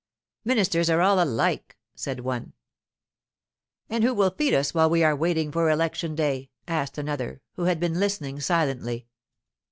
'Ministers are all alike,' said one. 'And who will feed us while we are waiting for election day?' asked another, who had been listening silently.